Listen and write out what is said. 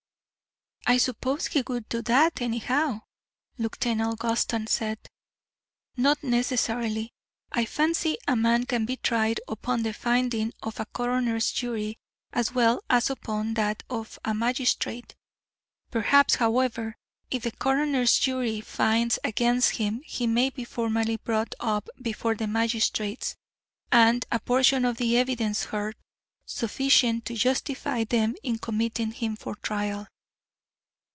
"I suppose he would do that, anyhow?" Lieutenant Gulston said. "Not necessarily. I fancy a man can be tried upon the finding of a coroner's jury as well as upon that of a magistrate. Perhaps, however, if the coroner's jury finds against him he may be formally brought up before the magistrates, and a portion of the evidence heard, sufficient to justify them in committing him for trial.